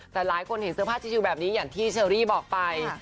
แต่หลายคนเห็นเสื้อผ้าชิวแบบนี้อย่างที่เชอรี่บอกไป